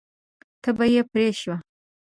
تبه یې پرې شوه.